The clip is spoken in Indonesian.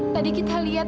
tadi kita liat